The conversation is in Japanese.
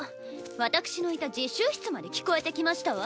私のいた自習室まで聞こえてきましたわ。